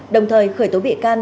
đồng thời khởi tố bị can